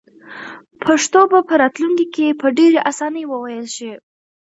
پښتو به په راتلونکي کې په ډېرې اسانۍ وویل شي.